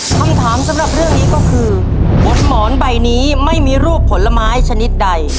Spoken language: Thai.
คำถามสำหรับเรื่องนี้ก็คือบนหมอนใบนี้ไม่มีรูปผลไม้ชนิดใด